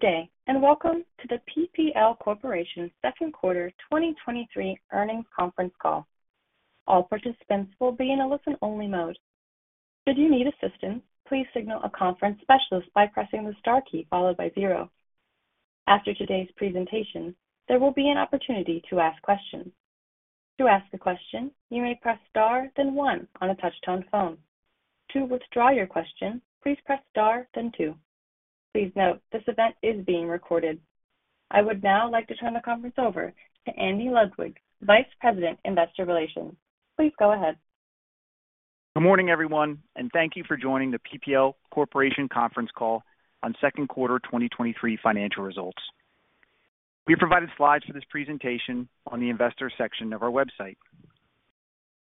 Good day, welcome to the PPL Corporation Second Quarter 2023 Earnings Conference Call. All participants will be in a listen-only mode. Should you need assistance, please signal a conference specialist by pressing the Star key followed by 0. After today's presentation, there will be an opportunity to ask questions. To ask a question, you may press Star then 1 on a touch-tone phone. To withdraw your question, please press Star then 2. Please note, this event is being recorded. I would now like to turn the conference over to Andy Ludwig, Vice President, Investor Relations. Please go ahead. Good morning, everyone, and thank you for joining the PPL Corporation conference call on second quarter 2023 financial results. We have provided slides for this presentation on the investor section of our website.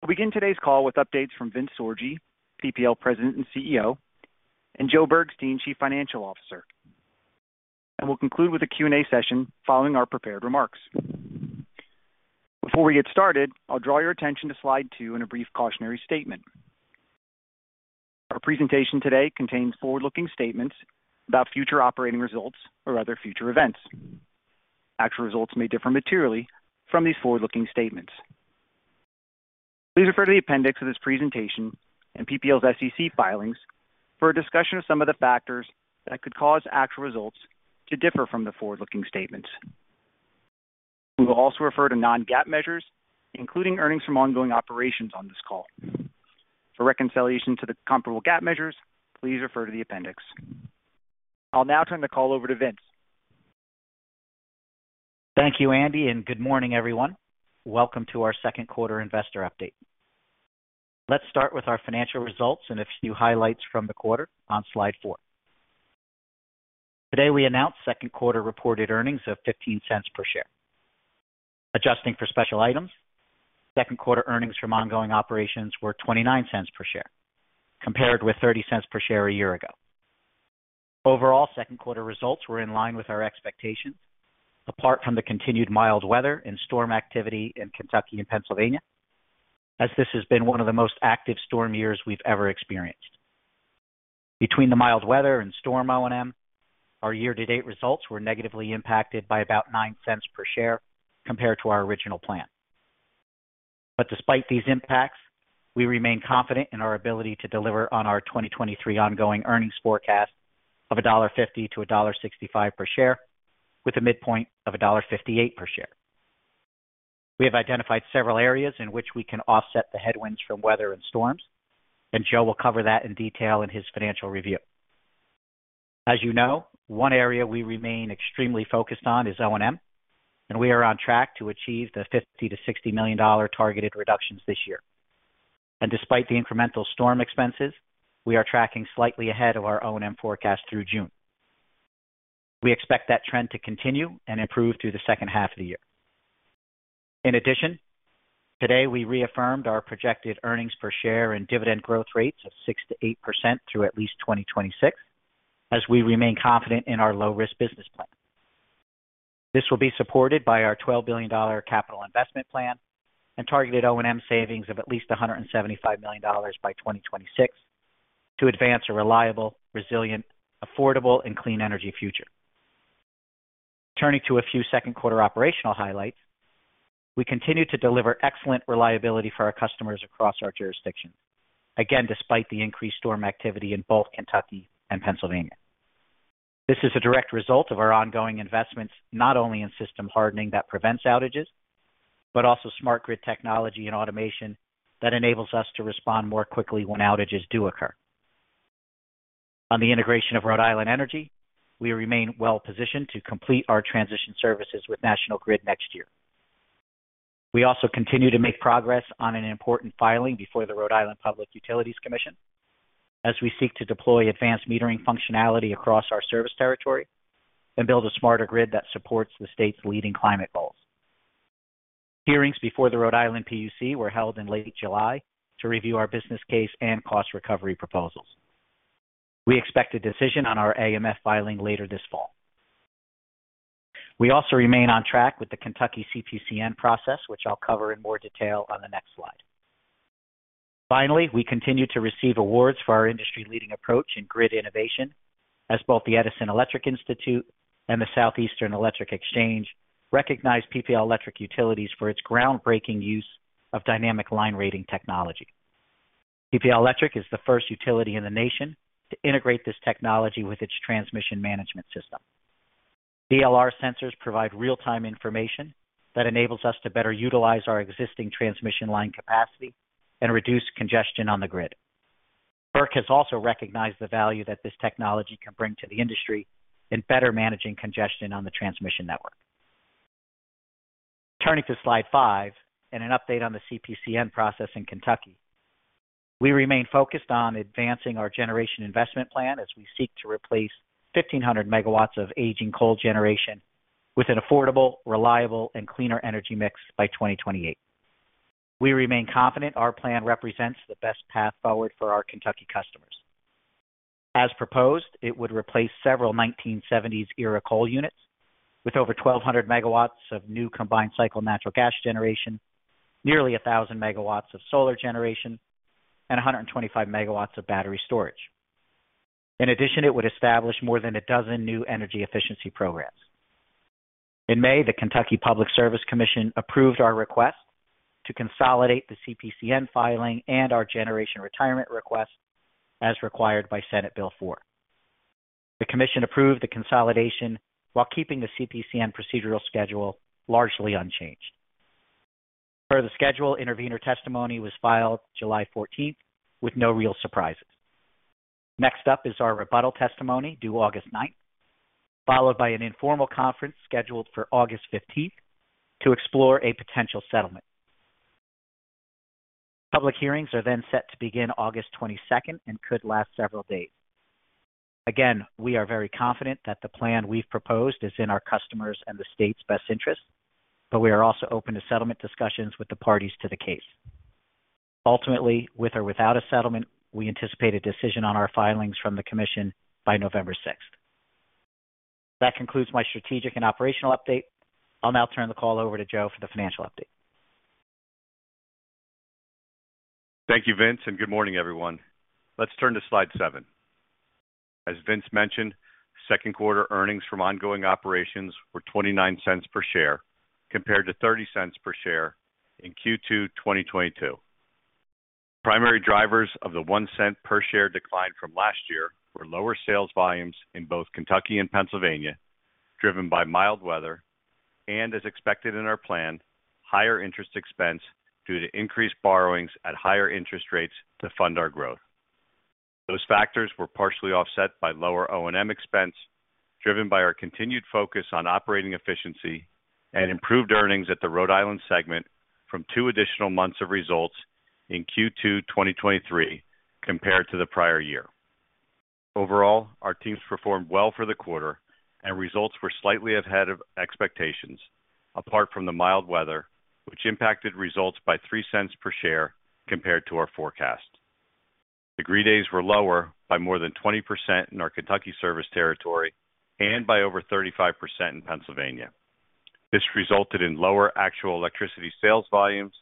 We'll begin today's call with updates from Vince Sorgi, PPL President and CEO, and Joe Bergstein, Chief Financial Officer, and we'll conclude with a Q&A session following our prepared remarks. Before we get started, I'll draw your attention to slide 2 and a brief cautionary statement. Our presentation today contains forward-looking statements about future operating results or other future events. Actual results may differ materially from these forward-looking statements. Please refer to the appendix of this presentation and PPL's SEC filings for a discussion of some of the factors that could cause actual results to differ from the forward-looking statements. We will also refer to non-GAAP measures, including earnings from ongoing operations on this call. For reconciliation to the comparable GAAP measures, please refer to the appendix. I'll now turn the call over to Vince. Thank you, Andy. Good morning, everyone. Welcome to our second quarter investor update. Let's start with our financial results and a few highlights from the quarter on slide 4. Today, we announced second quarter reported earnings of $0.15 per share. Adjusting for special items, second quarter earnings from ongoing operations were $0.29 per share, compared with $0.30 per share a year ago. Overall, second quarter results were in line with our expectations, apart from the continued mild weather and storm activity in Kentucky and Pennsylvania, as this has been one of the most active storm years we've ever experienced. Between the mild weather and storm O&M, our year-to-date results were negatively impacted by about $0.09 per share compared to our original plan. Despite these impacts, we remain confident in our ability to deliver on our 2023 ongoing earnings forecast of $1.50-$1.65 per share, with a midpoint of $1.58 per share. We have identified several areas in which we can offset the headwinds from weather and storms, and Joe will cover that in detail in his financial review. As you know, one area we remain extremely focused on is O&M, and we are on track to achieve the $50 million-$60 million targeted reductions this year. Despite the incremental storm expenses, we are tracking slightly ahead of our O&M forecast through June. We expect that trend to continue and improve through the second half of the year. In addition, today, we reaffirmed our projected earnings per share and dividend growth rates of 6%-8% through at least 2026, as we remain confident in our low-risk business plan. This will be supported by our $12 billion capital investment plan and targeted O&M savings of at least $175 million by 2026 to advance a reliable, resilient, affordable, and clean energy future. Turning to a few second-quarter operational highlights, we continue to deliver excellent reliability for our customers across our jurisdictions. Again, despite the increased storm activity in both Kentucky and Pennsylvania. This is a direct result of our ongoing investments, not only in system hardening that prevents outages, but also smart grid technology and automation that enables us to respond more quickly when outages do occur. On the integration of Rhode Island Energy, we remain well positioned to complete our transition services with National Grid next year. We also continue to make progress on an important filing before the Rhode Island Public Utilities Commission, as we seek to deploy advanced metering functionality across our service territory and build a smarter grid that supports the state's leading climate goals. Hearings before the Rhode Island PUC were held in late July to review our business case and cost recovery proposals. We expect a decision on our AMF filing later this fall. We also remain on track with the Kentucky CPCN process, which I'll cover in more detail on the next slide. Finally, we continue to receive awards for our industry-leading approach in grid innovation, as both the Edison Electric Institute and the Southeastern Electric Exchange recognized PPL Electric Utilities for its groundbreaking use of dynamic line rating technology. PPL Electric is the first utility in the nation to integrate this technology with its transmission management system. DLR sensors provide real-time information that enables us to better utilize our existing transmission line capacity and reduce congestion on the grid. FERC has also recognized the value that this technology can bring to the industry in better managing congestion on the transmission network. Turning to slide five and an update on the CPCN process in Kentucky. We remain focused on advancing our generation investment plan as we seek to replace 1,500 MW of aging coal generation with an affordable, reliable, and cleaner energy mix by 2028. We remain confident our plan represents the best path forward for our Kentucky customers. As proposed, it would replace several 1970s era coal units with over 1,200 MW of new combined cycle natural gas generation, nearly 1,000 MW of solar generation and 125 megawatts of battery storage. In addition, it would establish more than 12 new energy efficiency programs. In May, the Kentucky Public Service Commission approved our request to consolidate the CPCN filing and our generation retirement request as required by Senate Bill 4. The commission approved the consolidation while keeping the CPCN procedural schedule largely unchanged. Per the schedule, intervener testimony was filed July 14th, with no real surprises. Next up is our rebuttal testimony, due August 9th, followed by an informal conference scheduled for August 15th to explore a potential settlement. Public hearings are then set to begin August 22nd and could last several days. Again, we are very confident that the plan we've proposed is in our customers' and the state's best interest, but we are also open to settlement discussions with the parties to the case. Ultimately, with or without a settlement, we anticipate a decision on our filings from the commission by November 6th. That concludes my strategic and operational update. I'll now turn the call over to Joe for the financial update. Thank you, Vince, and good morning, everyone. Let's turn to slide seven. As Vince mentioned, second quarter earnings from ongoing operations were $0.29 per share, compared to $0.30 per share in Q2 2022. Primary drivers of the $0.01 per share decline from last year were lower sales volumes in both Kentucky and Pennsylvania, driven by mild weather, and, as expected in our plan, higher interest expense due to increased borrowings at higher interest rates to fund our growth. Those factors were partially offset by lower O&M expense, driven by our continued focus on operating efficiency and improved earnings at the Rhode Island segment from 2 additional months of results in Q2 2023 compared to the prior year. Overall, our teams performed well for the quarter and results were slightly ahead of expectations, apart from the mild weather, which impacted results by $0.03 per share compared to our forecast. Degree days were lower by more than 20% in our Kentucky service territory and by over 35% in Pennsylvania. This resulted in lower actual electricity sales volumes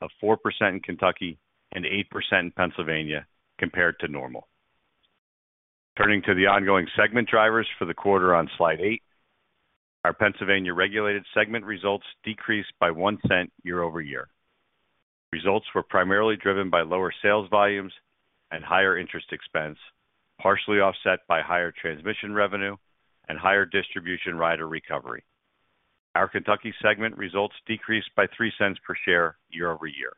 of 4% in Kentucky and 8% in Pennsylvania compared to normal. Turning to the ongoing segment drivers for the quarter on Slide eight, our Pennsylvania regulated segment results decreased by $0.01 year-over-year. Results were primarily driven by lower sales volumes and higher interest expense, partially offset by higher transmission revenue and higher distribution rider recovery. Our Kentucky segment results decreased by $0.03 per share year-over-year.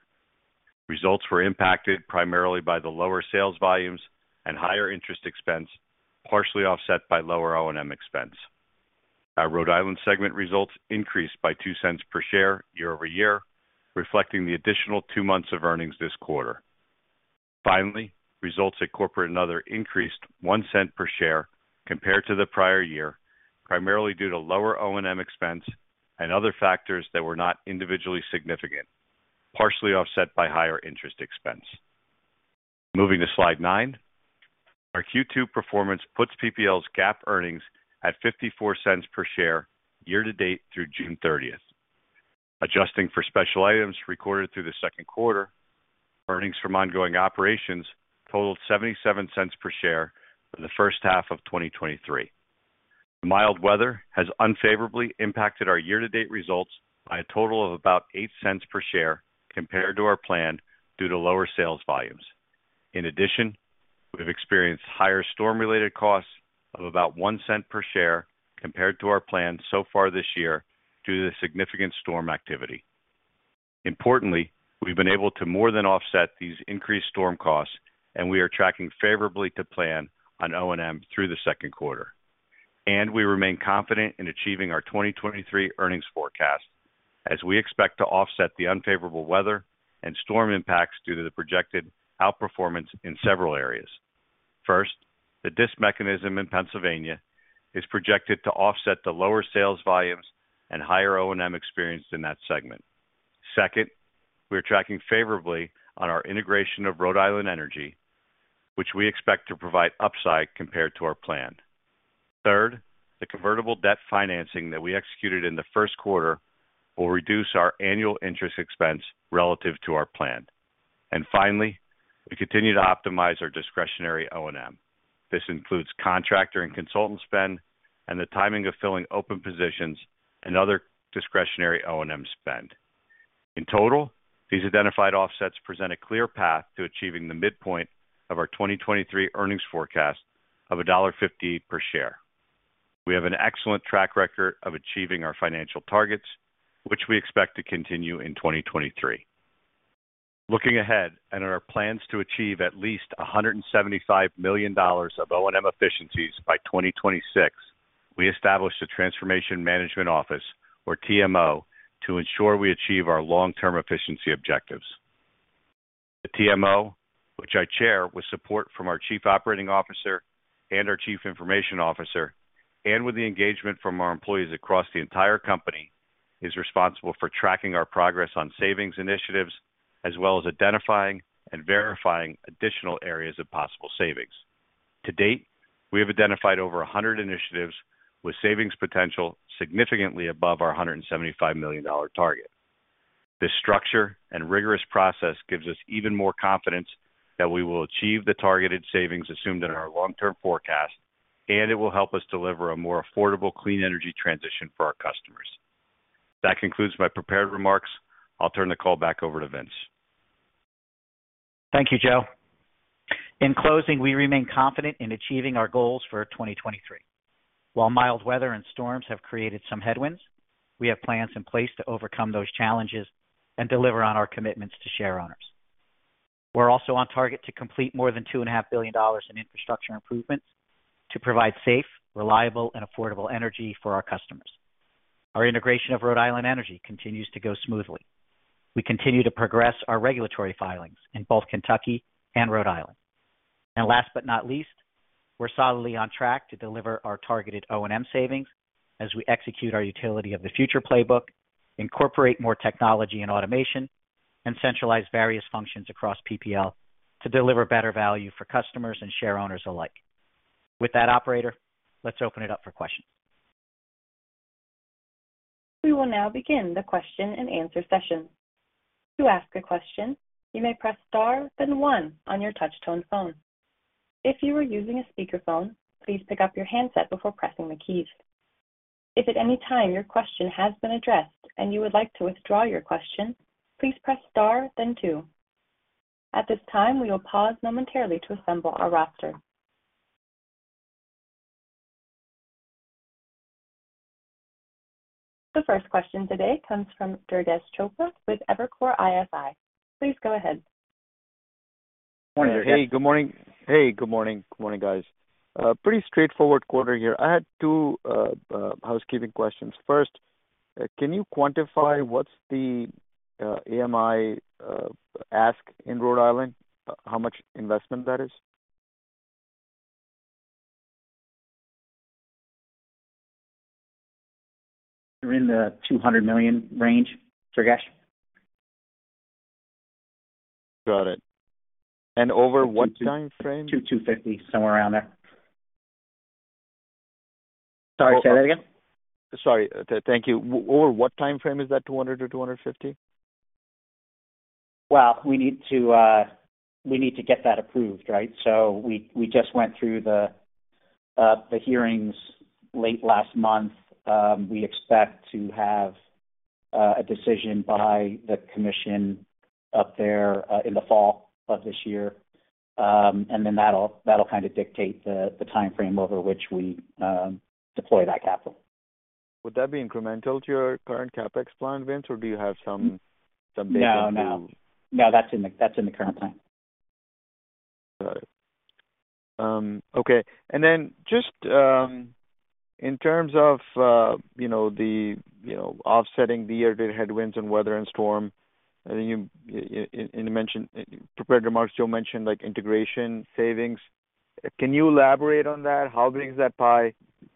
Results were impacted primarily by the lower sales volumes and higher interest expense, partially offset by lower O&M expense. Our Rhode Island segment results increased by $0.02 per share year-over-year, reflecting the additional two months of earnings this quarter. Finally, results at Corporate and Other increased $0.01 per share compared to the prior year, primarily due to lower O&M expense and other factors that were not individually significant, partially offset by higher interest expense. Moving to Slide nine, our Q2 performance puts PPL's GAAP earnings at $0.54 per share year-to-date through June 30th. Adjusting for special items recorded through the second quarter, earnings from ongoing operations totaled $0.77 per share for the first half of 2023. The mild weather has unfavorably impacted our year-to-date results by a total of about $0.08 per share compared to our plan due to lower sales volumes. In addition, we've experienced higher storm-related costs of about $0.01 per share compared to our plan so far this year due to the significant storm activity. Importantly, we've been able to more than offset these increased storm costs, we are tracking favorably to plan on O&M through the second quarter. We remain confident in achieving our 2023 earnings forecast as we expect to offset the unfavorable weather and storm impacts due to the projected outperformance in several areas. First, the DIS mechanism in Pennsylvania is projected to offset the lower sales volumes and higher O&M experienced in that segment. Second, we are tracking favorably on our integration of Rhode Island Energy, which we expect to provide upside compared to our plan. Third, the convertible debt financing that we executed in the first quarter will reduce our annual interest expense relative to our plan. Finally, we continue to optimize our discretionary O&M. This includes contractor and consultant spend and the timing of filling open positions and other discretionary O&M spend. In total, these identified offsets present a clear path to achieving the midpoint of our 2023 earnings forecast of $1.50 per share. We have an excellent track record of achieving our financial targets, which we expect to continue in 2023. Looking ahead at our plans to achieve at least $175 million of O&M efficiencies by 2026, we established a Transformation Management Office, or TMO, to ensure we achieve our long-term efficiency objectives. The TMO, which I chair, with support from our chief operating officer and our chief information officer, and with the engagement from our employees across the entire company, is responsible for tracking our progress on savings initiatives, as well as identifying and verifying additional areas of possible savings. To date, we have identified over 100 initiatives with savings potential significantly above our $175 million target. This structure and rigorous process gives us even more confidence that we will achieve the targeted savings assumed in our long-term forecast. It will help us deliver a more affordable, clean energy transition for our customers. That concludes my prepared remarks. I'll turn the call back over to Vince. Thank you, Joe. In closing, we remain confident in achieving our goals for 2023. While mild weather and storms have created some headwinds, we have plans in place to overcome those challenges and deliver on our commitments to shareowners. We're also on target to complete more than $2.5 billion in infrastructure improvements to provide safe, reliable, and affordable energy for our customers. Our integration of Rhode Island Energy continues to go smoothly. We continue to progress our regulatory filings in both Kentucky and Rhode Island. Last but not least, we're solidly on track to deliver our targeted O&M savings as we execute our utility of the future playbook, incorporate more technology and automation, and centralize various functions across PPL to deliver better value for customers and shareowners alike. With that, operator, let's open it up for questions. We will now begin the question-and-answer session. To ask a question, you may press star, then 1 on your touch-tone phone. If you are using a speakerphone, please pick up your handset before pressing the keys. If at any time your question has been addressed and you would like to withdraw your question, please press star then 2. At this time, we will pause momentarily to assemble our roster. The first question today comes from Durgesh Chopra with Evercore ISI. Please go ahead. Hey, good morning. Hey, good morning. Good morning, guys. Pretty straightforward quarter here. I had two housekeeping questions. First, can you quantify what's the AMI ask in Rhode Island? How much investment that is? We're in the $200 million range, Durgesh. Got it. Over what timeframe? $2, $2.50, somewhere around there. Sorry, say that again? Sorry. Thank you. over what timeframe is that 200-250? We need to, we need to get that approved, right? We, we just went through the hearings late last month. We expect to have a decision by the commission up there in the fall of this year. That'll, that'll kind of dictate the timeframe over which we deploy that capital. Would that be incremental to your current CapEx plan, Vince? Do you have some data to- No, no. No, that's in the, that's in the current plan. Got it. Okay. Then just, in terms of, you know, the, you know, offsetting the year due to headwinds and weather and storm, and you mentioned prepared remarks, Joe mentioned, like, integration savings. Can you elaborate on that? How big is that pie?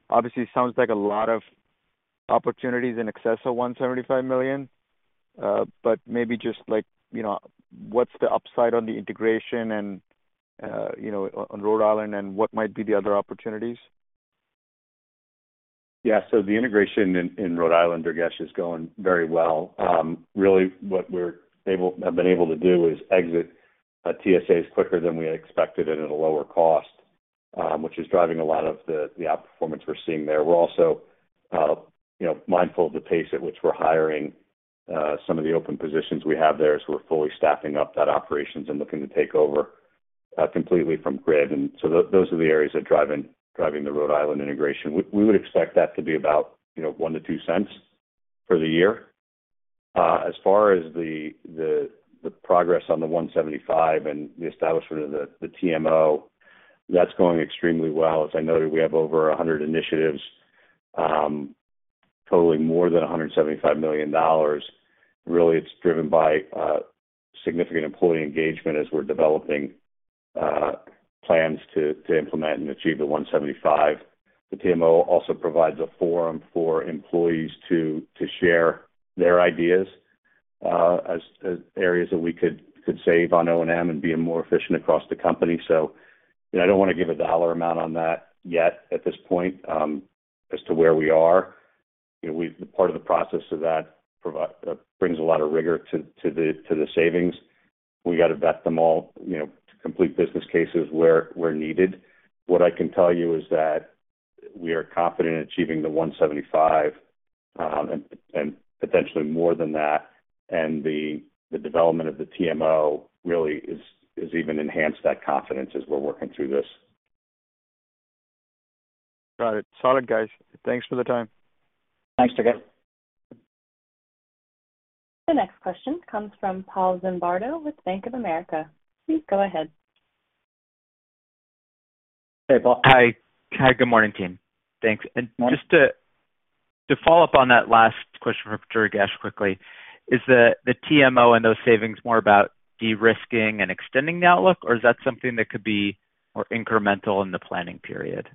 Obviously, sounds like a lot of opportunities in excess of $175 million. Maybe just like, you know, what's the upside on the integration and, you know, on Rhode Island, and what might be the other opportunities? Yeah, so the integration in Rhode Island, Durgesh, is going very well. Really, have been able to do is exit TSAs quicker than we had expected and at a lower cost, which is driving a lot of the outperformance we're seeing there. We're also, you know, mindful of the pace at which we're hiring some of the open positions we have there as we're fully staffing up that operations and looking to take over completely from grid. So those are the areas that driving, driving the Rhode Island integration. We would expect that to be about, you know, $0.01-$0.02 for the year. As far as the progress on the 175 and the establishment of the TMO, that's going extremely well. As I noted, we have over 100 initiatives, totaling more than $175 million. Really, it's driven by significant employee engagement as we're developing plans to implement and achieve the 175. The TMO also provides a forum for employees to share their ideas as areas that we could save on O&M and being more efficient across the company. I don't want to give a dollar amount on that yet at this point as to where we are. You know, part of the process of that brings a lot of rigor to the savings. We got to vet them all, you know, to complete business cases where we're needed. What I can tell you is that we are confident in achieving the 175, potentially more than that, and the development of the TMO really is even enhanced that confidence as we're working through this. Got it. Solid, guys. Thanks for the time. Thanks, Durgesh. The next question comes from Paul Zimbardo with Bank of America. Please go ahead. Hey, Paul. Hi. Hi, good morning, team. Thanks. Morning. Just to, to follow up on that last question from Durgesh quickly, is the TMO and those savings more about de-risking and extending the outlook, or is that something that could be more incremental in the planning period?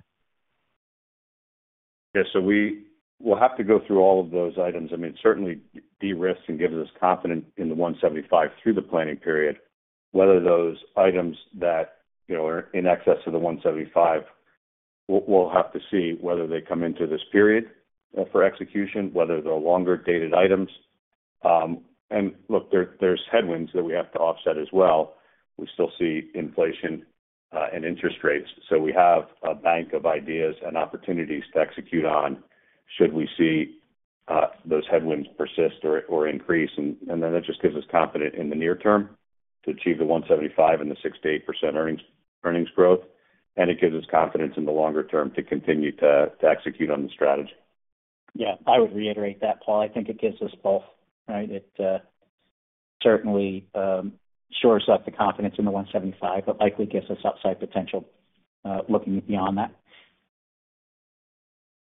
Yeah, we will have to go through all of those items. I mean, certainly de-risk and gives us confidence in the 175 through the planning period. Whether those items that, you know, are in excess of the 175, we'll, we'll have to see whether they come into this period for execution, whether they're longer-dated items. Look, there, there's headwinds that we have to offset as well. We still see inflation and interest rates. We have a bank of ideas and opportunities to execute on, should we see those headwinds persist or increase. Then that just gives us confidence in the near term to achieve the 175 and the 6%-8% earnings, earnings growth, and it gives us confidence in the longer term to continue to execute on the strategy. I would reiterate that, Paul. I think it gives us both, right? It certainly shores up the confidence in the 175, but likely gives us upside potential looking beyond that.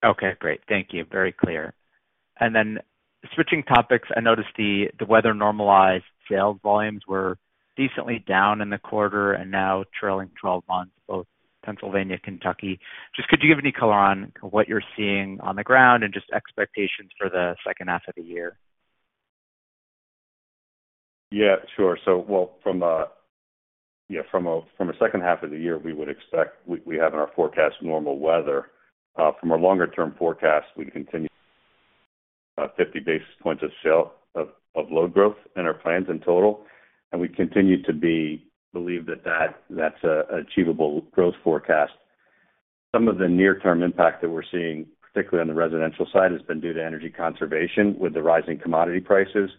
Okay, great. Thank you. Very clear. Switching topics, I noticed the, the weather-normalized sales volumes were decently down in the quarter and now trailing 12 months, both Pennsylvania, Kentucky. Just could you give any color on what you're seeing on the ground and just expectations for the 2nd half of the year? Yeah, sure. Well, from a, from a second half of the year, we would expect, we have in our forecast normal weather. From our longer-term forecast, we continue 50 basis points of sale of load growth in our plans in total, and we continue to believe that that's an achievable growth forecast. Some of the near-term impact that we're seeing, particularly on the residential side, has been due to energy conservation with the rising commodity prices.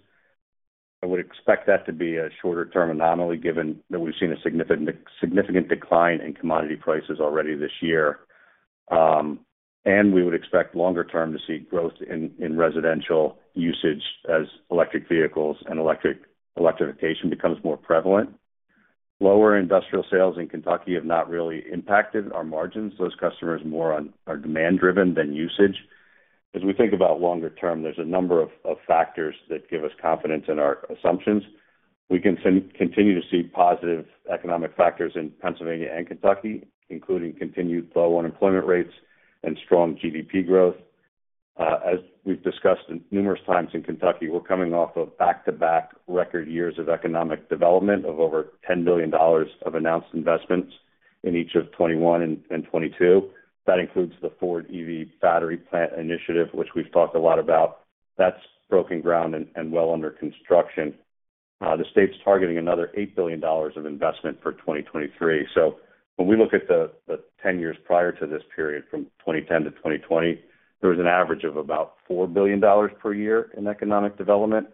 I would expect that to be a shorter-term anomaly, given that we've seen a significant, significant decline in commodity prices already this year. We would expect longer term to see growth in residential usage as electric vehicles and electrification becomes more prevalent. Lower industrial sales in Kentucky have not really impacted our margins. Those customers more on are demand-driven than usage. As we think about longer term, there's a number of factors that give us confidence in our assumptions. We can continue to see positive economic factors in Pennsylvania and Kentucky, including continued low unemployment rates and strong GDP growth. As we've discussed numerous times in Kentucky, we're coming off of back-to-back record years of economic development of over $10 billion of announced investments in each of 2021 and 2022. That includes the Ford EV battery plant initiative, which we've talked a lot about. That's broken ground and well under construction. The state's targeting another $8 billion of investment for 2023. When we look at the 10 years prior to this period, from 2010-2020, there was an average of about $4 billion per year in economic development.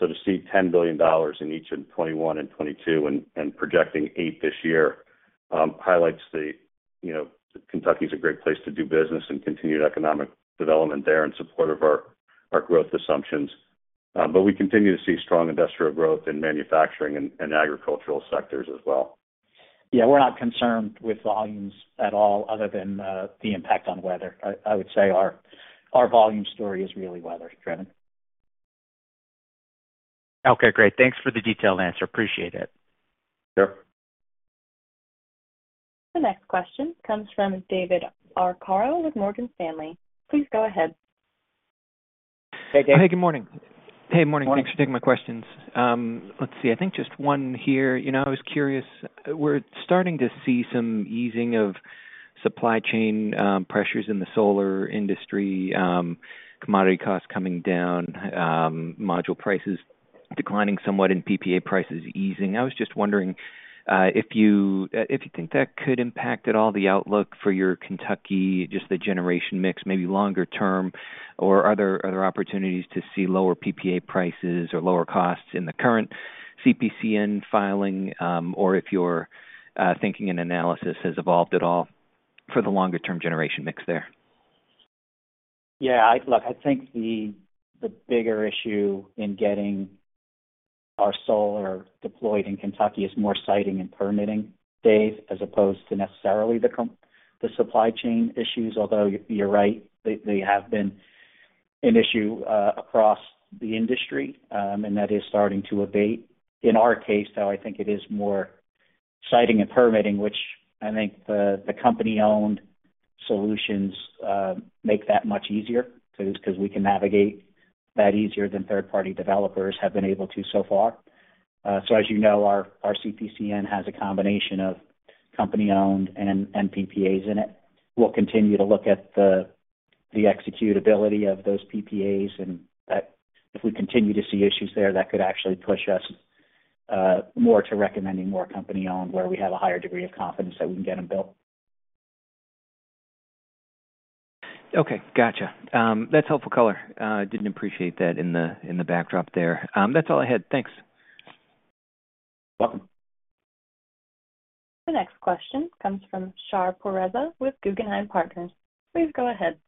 To see $10 billion in each in 2021 and 2022 and projecting $8 billion this year highlights the, you know, Kentucky is a great place to do business and continued economic development there in support of our growth assumptions. We continue to see strong industrial growth in manufacturing and agricultural sectors as well. Yeah, we're not concerned with volumes at all, other than the impact on weather. I, I would say our, our volume story is really weather-driven. Okay, great. Thanks for the detailed answer. Appreciate it. Sure. The next question comes from David Arcaro with Morgan Stanley. Please go ahead. Hey, Dave. Hey, good morning. Hey, morning. Morning. Thanks for taking my questions. Let's see. I think just one here. You know, I was curious, we're starting to see some easing of supply chain pressures in the solar industry, commodity costs coming down, module prices declining somewhat and PPA prices easing. I was just wondering if you if you think that could impact at all the outlook for your Kentucky, just the generation mix, maybe longer term, or are there, are there opportunities to see lower PPA prices or lower costs in the current CPCN filing, or if your thinking and analysis has evolved at all for the longer-term generation mix there? Yeah, I-- look, I think the, the bigger issue in getting our solar deployed in Kentucky is more siting and permitting, Dave, as opposed to necessarily the com-- the supply chain issues. Although, you're right, they, they have been an issue, across the industry, and that is starting to abate. In our case, though, I think it is more siting and permitting, which I think the, the company-owned solutions, make that much easier, because, because we can navigate that easier than third-party developers have been able to so far. As you know, our, our CPCN has a combination of company-owned and, and PPAs in it. We'll continue to look at the, the executability of those PPAs, and if we continue to see issues there, that could actually push us more to recommending more company-owned, where we have a higher degree of confidence that we can get them built. Okay, gotcha. That's helpful color. Didn't appreciate that in the, in the backdrop there. That's all I had. Thanks. Welcome. The next question comes from Shar Pourreza with Guggenheim Partners. Please go ahead.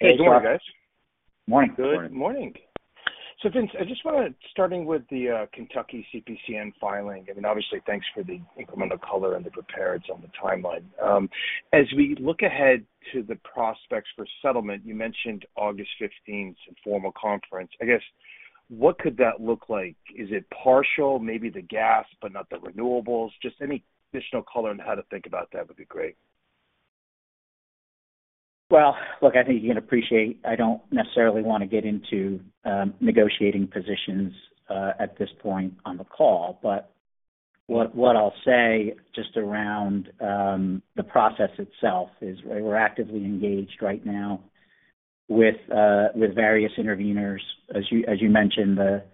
Hey, Shar. Good morning, guys. Morning. Good morning. Vince, I just want to starting with the Kentucky CPCN filing. I mean, obviously, thanks for the incremental color and the preparedness on the timeline. As we look ahead to the prospects for settlement, you mentioned August 15th's informal conference. What could that look like? Is it partial, maybe the gas, but not the renewables? Just any additional color on how to think about that would be great. Well, look, I think you can appreciate, I don't necessarily want to get into negotiating positions at this point on the call. What, what I'll say just around the process itself is we're actively engaged right now with various interveners. As you, as you mentioned, the,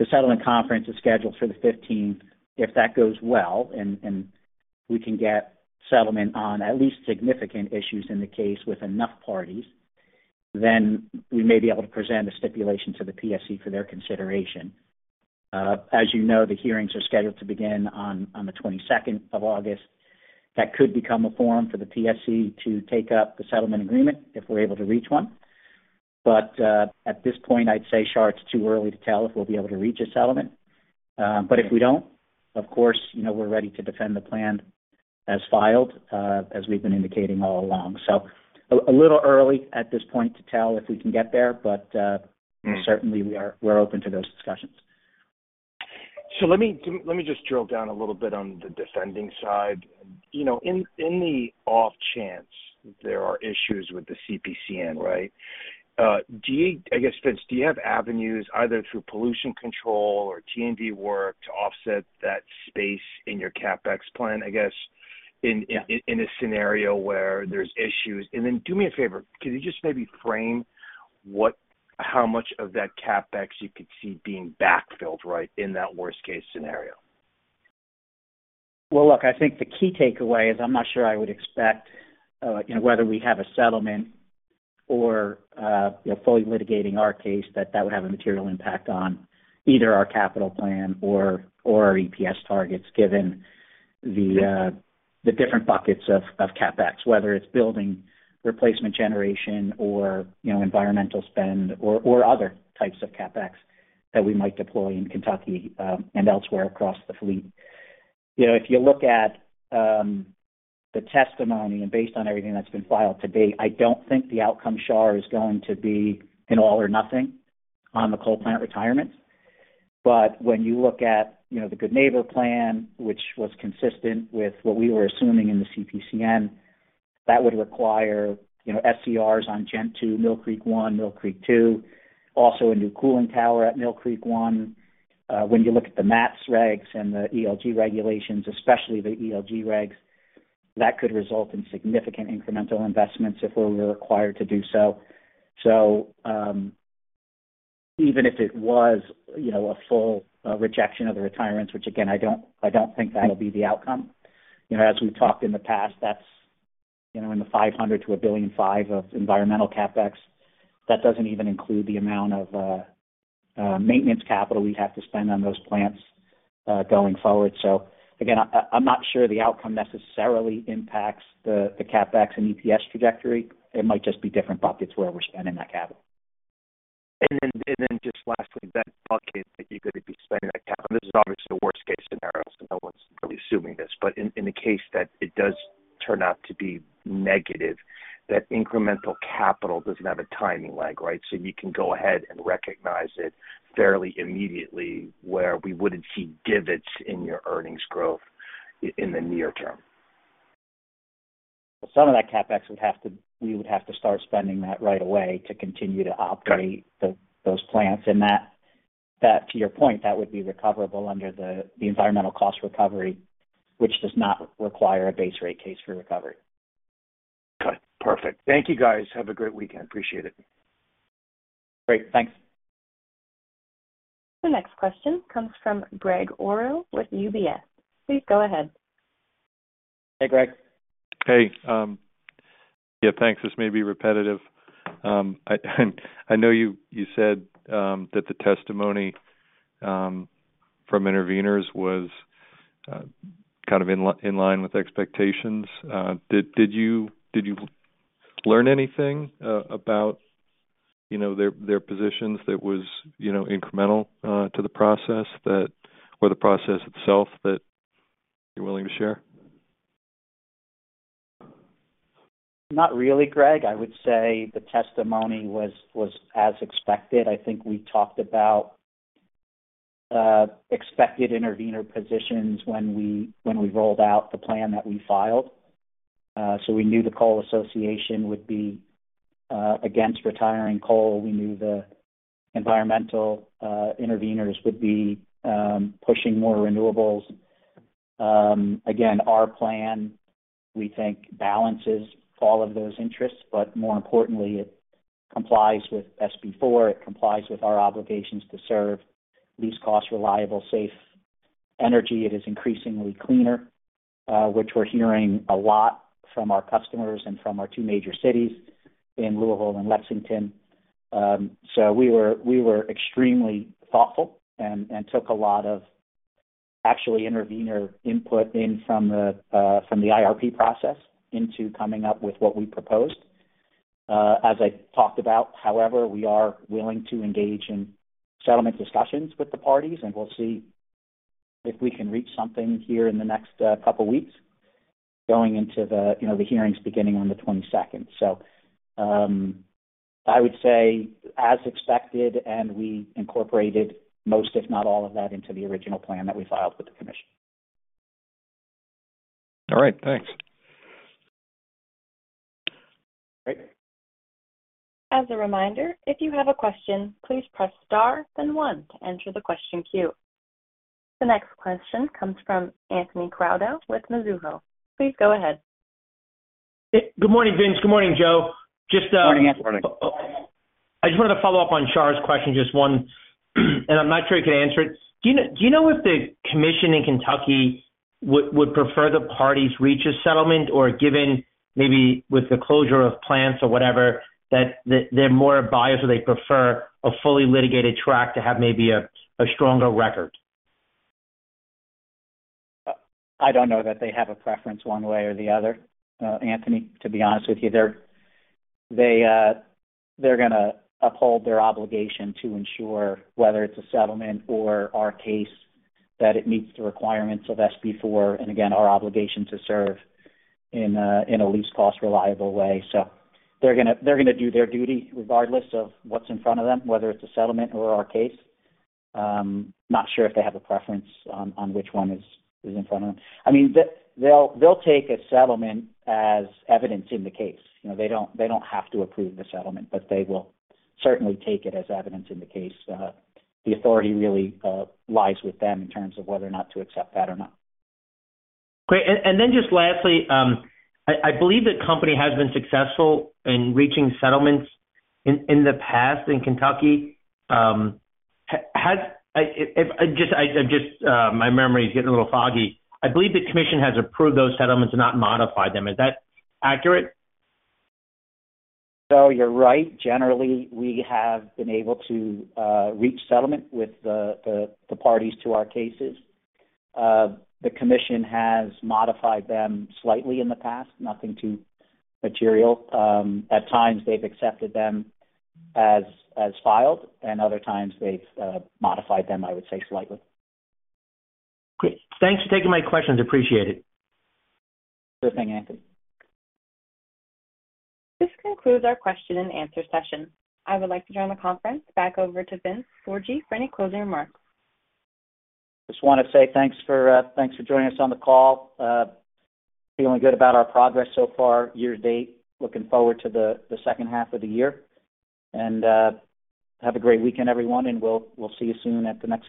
the settlement conference is scheduled for the 15th. If that goes well and, and we can get settlement on at least significant issues in the case with enough parties, then we may be able to present a stipulation to the PSC for their consideration. As you know, the hearings are scheduled to begin on the 22nd of August. That could become a forum for the PSC to take up the settlement agreement, if we're able to reach one. At this point, I'd say, Shar, it's too early to tell if we'll be able to reach a settlement. But if we don't, of course, you know, we're ready to defend the plan as filed, as we've been indicating all along. A little early at this point to tell if we can get there, but. Mm-hmm. Certainly we are, we're open to those discussions. Let me let me just drill down a little bit on the defending side. You know, in, in the off chance there are issues with the CPCN, right? do you I guess, Vince, do you have avenues either through pollution control or T&D work to offset that space in your CapEx plan, I guess, in. Yeah... in, in a scenario where there's issues? Then do me a favor, could you just maybe frame how much of that CapEx you could see being backfilled, right, in that worst case scenario? Well, look, I think the key takeaway is I'm not sure I would expect, you know, whether we have a settlement or, you know, fully litigating our case, that that would have a material impact on either our capital plan or, or our EPS targets, given the different buckets of, of CapEx. Whether it's building replacement generation or, you know, environmental spend or, or other types of CapEx that we might deploy in Kentucky, and elsewhere across the fleet. You know, if you look at the testimony and based on everything that's been filed to date, I don't think the outcome, Char, is going to be an all or nothing on the coal plant retirements. When you look at, you know, the Good Neighbor Plan, which was consistent with what we were assuming in the CPCN, that would require, you know, SCRs on Ghent 2, Mill Creek 1, Mill Creek 2, also a new cooling tower at Mill Creek 1. When you look at the MATS regs and the ELG regulations, especially the ELG regs, that could result in significant incremental investments if we were required to do so. Even if it was, you know, a full rejection of the retirements, which again, I don't, I don't think that'll be the outcome. You know, as we've talked in the past, that's, you know, in the $500 million-$1.5 billion of environmental CapEx, that doesn't even include the amount of maintenance capital we'd have to spend on those plants going forward. Again, I'm not sure the outcome necessarily impacts the CapEx and EPS trajectory. It might just be different buckets where we're spending that capital. Just lastly, that bucket that you're going to be spending that capital. This is obviously a worst case scenario, no one's really assuming this. In the case that it does turn out to be negative, that incremental capital doesn't have a timing lag, right? You can go ahead and recognize it fairly immediately, where we wouldn't see divots in your earnings growth in the near term. Well, some of that CapEx we would have to start spending that right away to continue to operate. Got it. those plants. That to your point, that would be recoverable under the environmental cost recovery, which does not require a base rate case for recovery. Got it. Perfect. Thank you, guys. Have a great weekend. Appreciate it. Great. Thanks. The next question comes from Gregg Orrill with UBS. Please go ahead. Hey, Greg. Hey, yeah, thanks. This may be repetitive. I, I know you, you said that the testimony from interveners was kind of in line with expectations. Did, did you, did you learn anything about, you know, their, their positions that was, you know, incremental to the process that or the process itself that you're willing to share? Not really, Greg. I would say the testimony was, was as expected. I think we talked about expected intervener positions when we, when we rolled out the plan that we filed. We knew the Coal Association would be against retiring coal. We knew the environmental interveners would be pushing more renewables. Again, our plan, we think, balances all of those interests, but more importantly, it complies with SB 4. It complies with our obligations to serve these costs, reliable, safe energy. It is increasingly cleaner, which we're hearing a lot from our customers and from our two major cities in Louisville and Lexington. We were, we were extremely thoughtful and, and took a lot of actually intervener input in from the IRP process into coming up with what we proposed. As I talked about, however, we are willing to engage in settlement discussions with the parties, and we'll see if we can reach something here in the next couple weeks, going into the, you know, the hearings beginning on the 22nd. I would say as expected, and we incorporated most, if not all of that, into the original plan that we filed with the commission. All right, thanks. Great. As a reminder, if you have a question, please press star, then 1 to enter the question queue. The next question comes from Anthony Crowdell with Mizuho. Please go ahead. Good morning, Vince. Good morning, Joe. Good morning, Anthony. Good morning. I just wanted to follow up on Char's question, just one, and I'm not sure you can answer it. Do you know, do you know if the Commission in Kentucky would, would prefer the parties reach a settlement? Given maybe with the closure of plants or whatever, that they're more biased, or they prefer a fully litigated track to have maybe a, a stronger record? I don't know that they have a preference one way or the other, Anthony, to be honest with you. They're, they're gonna uphold their obligation to ensure whether it's a settlement or our case, that it meets the requirements of SB 4, again, our obligation to serve in a, in a least cost, reliable way. They're gonna, they're gonna do their duty regardless of what's in front of them, whether it's a settlement or our case. Not sure if they have a preference on, on which one is, is in front of them. I mean, they'll, they'll take a settlement as evidence in the case. You know, they don't, they don't have to approve the settlement, they will certainly take it as evidence in the case. The authority really lies with them in terms of whether or not to accept that or not. Great. Then just lastly, I, I believe the company has been successful in reaching settlements in, in the past, in Kentucky. My memory is getting a little foggy. I believe the commission has approved those settlements, not modified them. Is that accurate? You're right. Generally, we have been able to reach settlement with the parties to our cases. The commission has modified them slightly in the past, nothing too material. At times they've accepted them as filed, and other times they've modified them, I would say slightly. Great. Thanks for taking my questions. Appreciate it. Sure thing, Anthony. This concludes our question and answer session. I would like to turn the conference back over to Vince Sorgi for any closing remarks. Just want to say thanks for, thanks for joining us on the call. Feeling good about our progress so far, year to date. Looking forward to the, the second half of the year. Have a great weekend, everyone, and we'll, we'll see you soon at the next conference.